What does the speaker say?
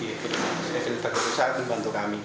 evp teguh rusa yang membantu kami